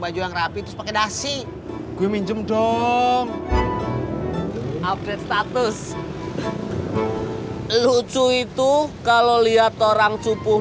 baju yang rapi terus pakai nasi gue minjem dong update status lucu itu kalau lihat orang cupuh